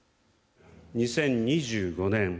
２０２５年。